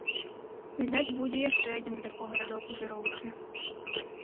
Відаць, будзе яшчэ адзін дадатковы радок у жыроўцы.